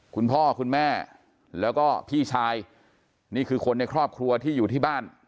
คุณพ่อคุณแม่แล้วก็พี่ชายนี่คือคนในครอบครัวที่อยู่ที่บ้าน